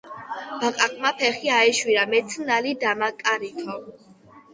ბაყაყმა ფეხი აიშვირა მეც ნალი დამაკარითო